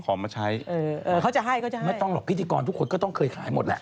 เขาจะให้ไม่ต้องหรอกพิธีกรทุกคนก็ต้องเคยขายหมดแหละ